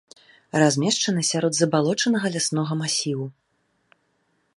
Размешчана сярод забалочанага ляснога масіву.